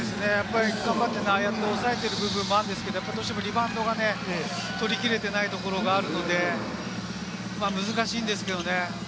ああやって抑えている部分もあるんですけれども、どうしてもリバウンドが取りきれてないところがあるので、難しいんですけれどもね。